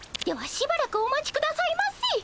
ではしばらくお待ちくださいませ！